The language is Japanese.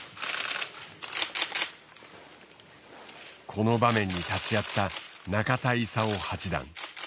この場面に立ち会った中田功八段。